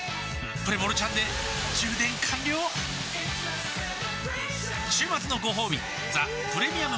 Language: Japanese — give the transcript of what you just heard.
プレモルちゃんで充電完了週末のごほうび「ザ・プレミアム・モルツ」